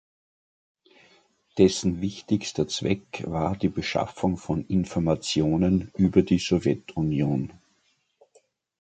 Dessen wichtigster Zweck war die Beschaffung von Informationen über die Sowjetunion.